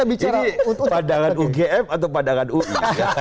bicara pandangan ugm atau pandangan ui